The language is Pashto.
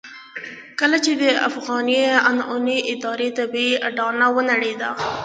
کله چې د افغاني عنعنوي ادارې طبيعي اډانه ونړېده.